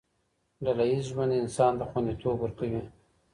ډله ييز ژوند انسان ته خونديتوب ورکوي.